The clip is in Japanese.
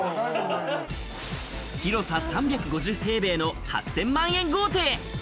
広さ３５０平米の８０００万円豪邸。